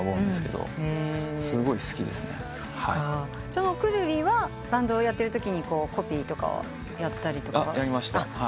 そのくるりはバンドをやってるときにコピーとかやったりとかは？